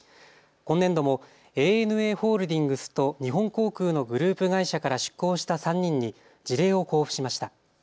今年度もＡＮＡホールディングスと日本航空のグループ会社から出向した３人に辞令を交付しました。